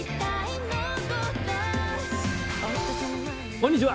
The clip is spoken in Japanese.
こんにちは。